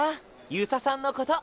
遊佐さんのこと！